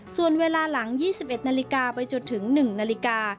ส่วนเวลาหลัง๒๑นาฬิกาไปจนถึง๑นาฬิกา